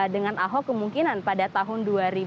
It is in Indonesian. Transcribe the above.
dengan ahok kemungkinan pada tahun dua ribu tujuh belas